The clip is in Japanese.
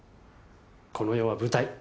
この世は舞台。